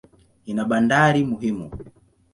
Ina bandari muhimu.